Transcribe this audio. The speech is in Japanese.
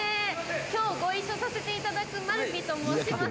今日ご一緒させていただくまるぴと申します。